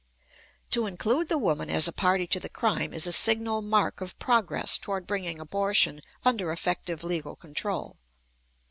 To include the woman as a party to the crime is a signal mark of progress toward bringing abortion under effective legal control.